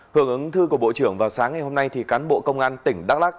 hưởng ứng thư của bộ trưởng vào sáng ngày hôm nay thì cán bộ công an tỉnh đắk lắc